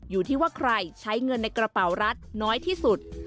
อยู่ที่ว่าใครใช้เงินในกระเป๋ารัฐน้อยที่สุด